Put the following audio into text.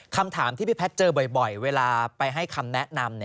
คำถามที่พี่แพทย์เจอบ่อยเวลาไปให้คำแนะนำ